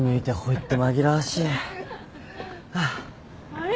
あれ？